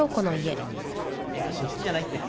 いやそっちじゃないって。